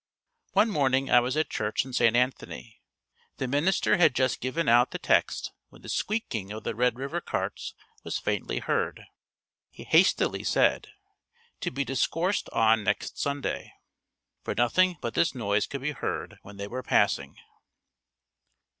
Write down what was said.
One morning I was at church in St. Anthony. The minister had just given out the text when the squeaking of the Red River carts was faintly heard. He hastily said, "To be discoursed on next Sunday," for nothing but this noise could be heard when they were passing.